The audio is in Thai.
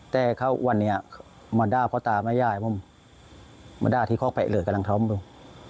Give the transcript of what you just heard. แต่เขาวันนี้มาด้าพ่อตาแม่ยายมาด้าที่เข้าแผ่แรงกำลังทำ